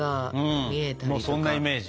もうそんなイメージ。